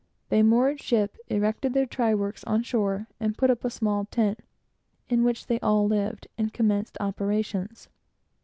They moored ship, erected their try works on shore, put up a small tent, in which they all lived, and commenced operations.